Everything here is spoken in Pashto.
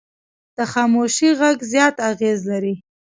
د خاموشي غږ زیات اغېز لري